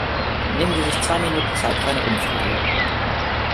Nehmen Sie sich zwei Minuten Zeit für eine Umfrage.